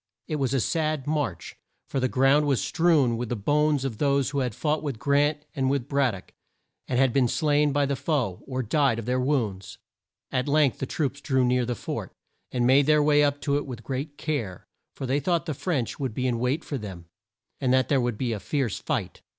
It was a sad march, for the ground was strewn with the bones of those who had fought with Grant and with Brad dock, and been slain by the foe, or died of their wounds. At length the troops drew near the fort, and made their way up to it with great care, for they thought the French would be in wait for them, and that there would be a fierce fight.